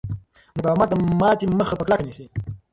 مقاومت د ماتې مخه په کلکه نیسي.